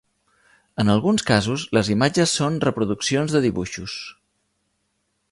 En alguns casos, les imatges són reproduccions de dibuixos.